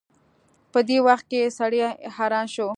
په دې وخت کې سړی حيران شي.